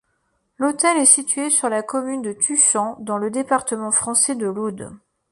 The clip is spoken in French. L'hôtel est situé sur la commune de Tuchan, dans le département français de l'Aude.